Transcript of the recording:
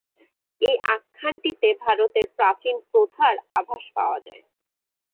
এই আখ্যানটিতে ভারতের প্রাচীন প্রথার আভাস পাওয়া যায়।